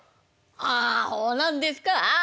「ああほうなんですかあ。